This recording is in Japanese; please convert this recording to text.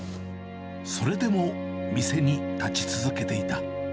それでも店に立ち続けていた。